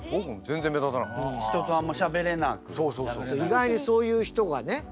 意外にそういう人がね。